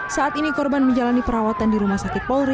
saat ini korban menjalani perawatan di rumah sakit polri